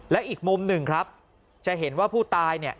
และอีกมุมหนึ่งครับจะเห็นว่าผู้ตายเนี่ย